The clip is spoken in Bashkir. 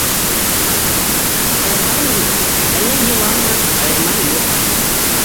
Ҡыҙыҡаймы һин, әллә йыланмы —айырмаһы юҡ.